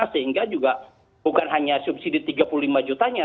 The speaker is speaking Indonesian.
sehingga juga bukan hanya subsidi rp tiga puluh lima juta nya